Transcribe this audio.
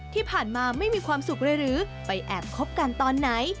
ที่ผ่านมาไม่มีความสุขเลยหรือไปแอบคบกันตอนไหน